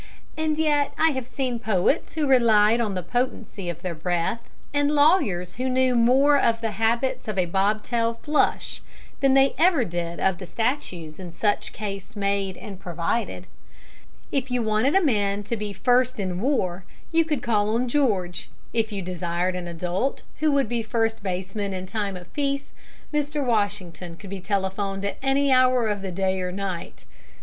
And yet I have seen poets who relied on the potency of their breath, and lawyers who knew more of the habits of a bobtail flush than they ever did of the statutes in such case made and provided. [Illustration: THE AWKWARD SQUAD.] George Washington was always ready. If you wanted a man to be first in war, you could call on George. If you desired an adult who would be first baseman in time of peace, Mr. Washington could be telephoned at any hour of the day or night.